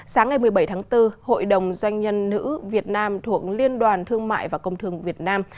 sáng ngày một mươi bảy tháng bốn hội đồng doanh nhân nữ việt nam thuộc liên đoàn thương mại và công thương việt nam